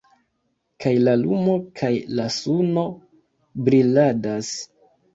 Kaj la lumo kaj la suno briladas?